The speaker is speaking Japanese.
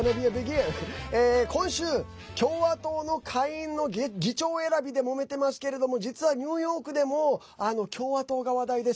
今週、共和党の下院の議長選びでもめてますけれども実は、ニューヨークでも共和党が話題です。